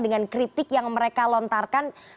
dengan kritik yang mereka lontarkan